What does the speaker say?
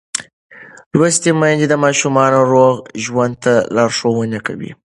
لوستې میندې د ماشومانو روغ ژوند ته لارښوونه کوي.